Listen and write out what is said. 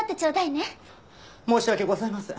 申し訳ございません。